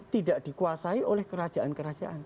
tidak dikuasai oleh kerajaan kerajaan